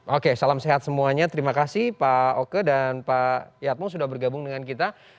oke salam sehat semuanya terima kasih pak oke dan pak yatmo sudah bergabung dengan kita